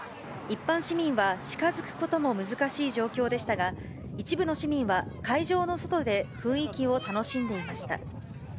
一般市民は近づくことも難しい状況でしたが、一部の市民は、会場の外で雰囲気を楽しんでいました。